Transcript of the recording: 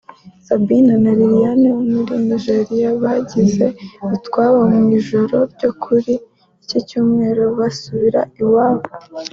Sabina(Kenya) na Lilian wo muri Nigeria bazinze utwabo mu ijoro ryo kuri iki Cyumweru basubira iwabo